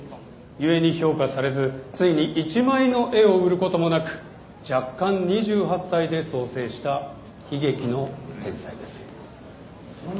故に評価されずついに一枚の絵を売ることもなく弱冠２８歳で早世した悲劇の天才です。